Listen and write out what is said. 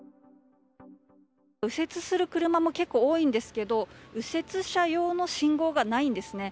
右折する車も結構多いんですけど右折車用の信号がないんですね。